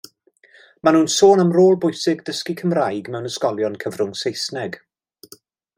Mae nhw'n sôn am rôl bwysig dysgu Cymraeg mewn ysgolion cyfrwng Saesneg.